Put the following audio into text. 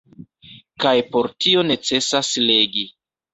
Kaj por tio necesas legi.